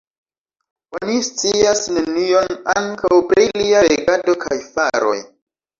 Oni scias nenion ankaŭ pri lia regado kaj faroj.